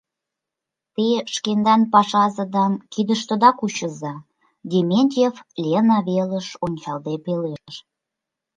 — Те шкендан пашазыдам кидыштыда кучыза, — Дементьев Лена велыш ончалде пелештыш.